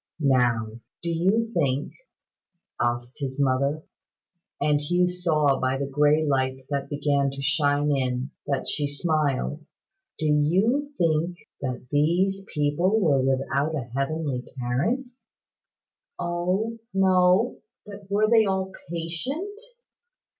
"Now, do you think," asked his mother, and Hugh saw by the grey light that began to shine in, that she smiled "do you think that these people were without a heavenly Parent?" "O no! But were they all patient?"